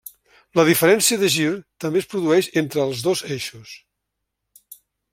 La diferència de gir també es produeix entre els dos eixos.